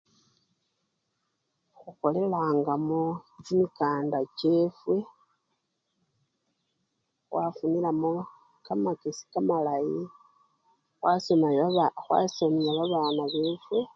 Khukholelangamo kimikanda kyefwe khwafunilamo kamakesi kamalayi khwasoma baba! khwasomya babana befwe.